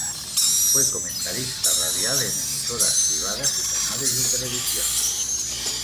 Fue comentarista radial en emisoras privadas y canales de televisión.